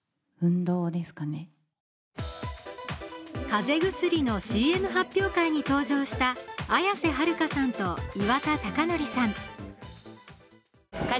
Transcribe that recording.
かぜ薬のＣＭ発表会に登場した綾瀬はるかさんと岩田剛典さん。